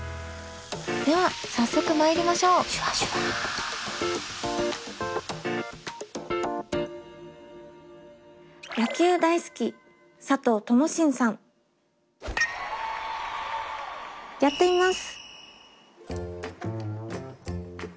では早速まいりましょうやってみます。